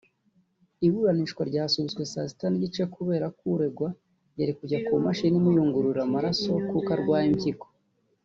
Iburanishwa ryasubitswe saa sita n’igice kubera ko uregwa yari kujya ku mashini imuyungururira amaraso kuko arwaye impyiko